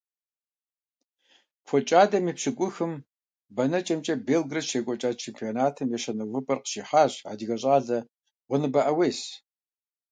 ФокӀадэм и пщӀыкӀухым бэнэкӀэмкӀэ Белград щекӀуэкӀа чемпионатым ещанэ увыпӀэр къыщихьащ адыгэ щӀалэ Гъуэныбэ Ӏэуес.